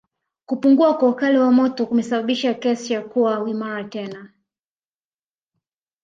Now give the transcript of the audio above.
Kupunguka kwa ukali wa moto kumesababisha Acacia kuwa imara tena